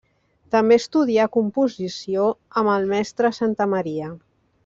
També estudià composició amb el mestre Santamaria.